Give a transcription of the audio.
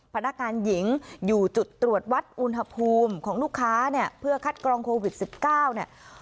พนักงานหญิงอยู่จุดตรวจวัดอุณหภูมิของลูกค้าเนี่ยเพื่อคัดกรองโควิด๑๙เนี่ย